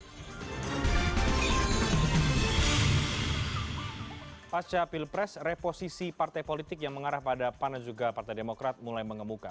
pada saat ini pancasila pilpres reposisi partai politik yang mengarah pada panajuga partai demokrat mulai mengemuka